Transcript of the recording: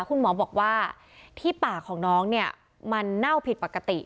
คุณหมอบอกว่าที่ปากของน้องเนี่ยมันเน่าผิดปกติ